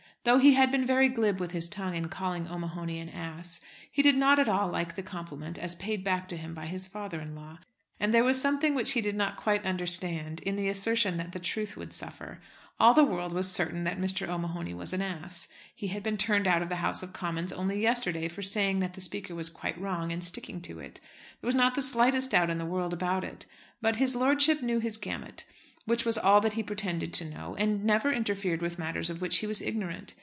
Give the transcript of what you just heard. Though he had been very glib with his tongue in calling O'Mahony an ass, he did not at all like the compliment as paid back to him by his father in law. And there was something which he did not quite understand in the assertion that the truth would suffer. All the world was certain that Mr. O'Mahony was an ass. He had been turned out of the House of Commons only yesterday for saying that the Speaker was quite wrong, and sticking to it. There was not the slightest doubt in the world about it. But his lordship knew his gamut, which was all that he pretended to know, and never interfered with matters of which he was ignorant.